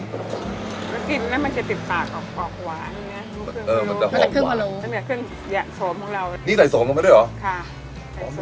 กินแล้วมันจะติดปากออกออกหวานนี่นะเออมันจะหอมหวานมันจะเหนือเครื่องหยะโสมของเรา